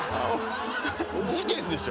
事件でしょ？